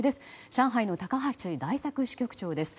上海の高橋大作支局長です。